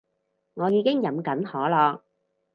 我已經飲緊可樂